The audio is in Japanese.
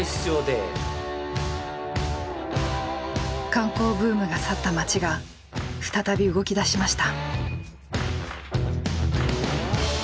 観光ブームが去った街が再び動きだしました。